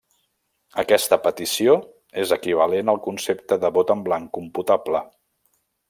Aquesta petició és equivalent al concepte de vot en blanc computable.